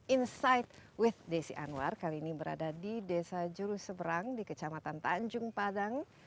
insight with desi anwar kali ini berada di desa juruseberang di kecamatan tanjung padang